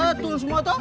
batul semua toh